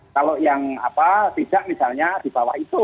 kalau yang tidak misalnya di bawah itu